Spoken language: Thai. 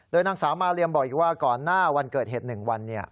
นางสาวมาเลียมบอกอีกว่าก่อนหน้าวันเกิดเหตุ๑วัน